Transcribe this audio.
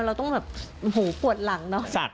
เราต้องแบบหูปวดหลังเนอะ